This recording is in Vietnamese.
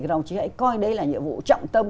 đồng chí hãy coi đây là nhiệm vụ trọng tâm